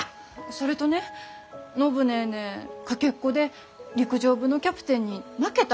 それとね暢ネーネーかけっこで陸上部のキャプテンに負けたわけ。